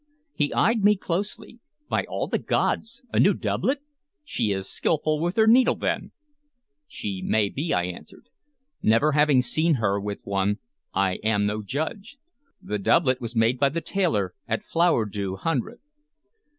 He eyed me closely. "By all the gods! a new doublet! She is skillful with her needle, then?" "She may be," I answered. "Having never seen her with one, I am no judge. The doublet was made by the tailor at Flowerdieu Hundred."